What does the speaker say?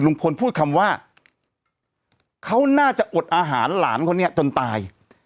พูดคำว่าเขาน่าจะอดอาหารหลานคนนี้จนตาย